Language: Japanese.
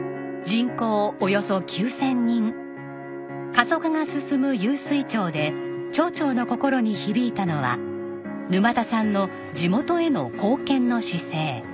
過疎化が進む湧水町で町長の心に響いたのは沼田さんの地元への貢献の姿勢。